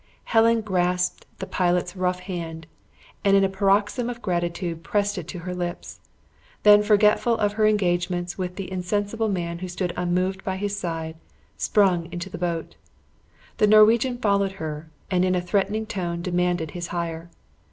Helen grasped the pilot's rough hand, and in a paroxysm of gratitude pressed it to her lips; then forgetful of her engagements with the insensible man who stood unmoved by his side, sprung into the boat. The Norwegian followed her, and in a threatening tone demanded his hire.